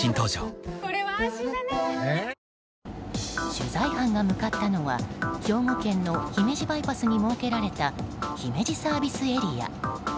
取材班が向かったのは兵庫県の姫路バイパスに設けられた姫路ＳＡ。